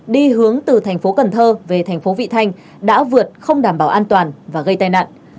đi hướng từ thành phố cần thơ về thành phố vị thanh đã vượt không đảm bảo an toàn và gây tai nạn